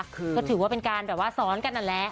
คือก็ถือว่าเป็นการแบบว่าซ้อนกันนั่นแหละ